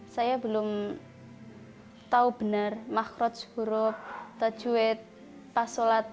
saya belum tahu benar makhrod suruh tajwid pas sholatan